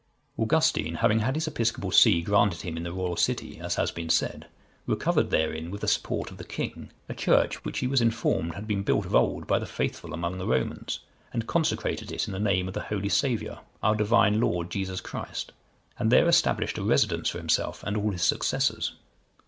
Augustine having had his episcopal see granted him in the royal city, as has been said, recovered therein, with the support of the king, a church, which he was informed had been built of old by the faithful among the Romans, and consecrated it in the name of the Holy Saviour, our Divine Lord Jesus Christ, and there established a residence for himself and all his successors.